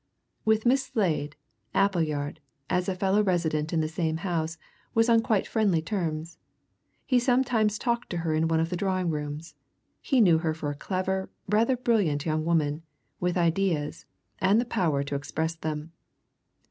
With Miss Slade, Appleyard, as fellow resident in the same house, was on quite friendly terms. He sometimes talked to her in one of the drawing rooms. He knew her for a clever, rather brilliant young woman, with ideas, and the power to express them.